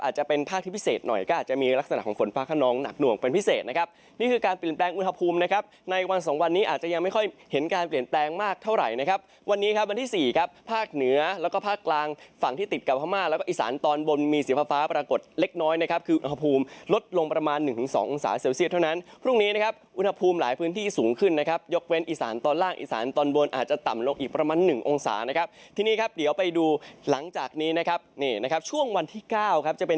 จะเป็นภาคที่พิเศษหน่อยก็อาจจะมีลักษณะของฝนฟ้าข้าน้องหนักหน่วงเป็นพิเศษนะครับนี่คือการเปลี่ยนแปลงอุณหภูมินะครับในวันสองวันนี้อาจจะยังไม่ค่อยเห็นการเปลี่ยนแปลงมากเท่าไหร่นะครับวันนี้ครับวันที่สี่ครับภาคเหนือแล้วก็ภาคกลางฝั่งที่ติดกับพม่าแล้วก็อีสานตอนบนมีสีฟ้าป